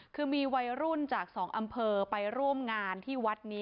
คือมีวัยรุ่นจากสองอำเภอไปร่วมงานที่วัดนี้